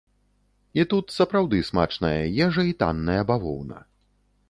І тут сапраўды смачная ежа і танная бавоўна.